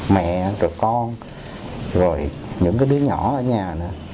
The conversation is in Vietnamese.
mẹ từ con rồi những cái đứa nhỏ ở nhà nữa